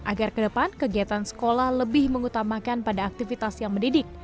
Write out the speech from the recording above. agar ke depan kegiatan sekolah lebih mengutamakan pada aktivitas yang mendidik